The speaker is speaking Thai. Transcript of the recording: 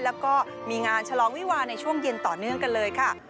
แล้วก็มีงานฉลองวิวาในช่วงเย็นต่อเนื่องกันเลยค่ะ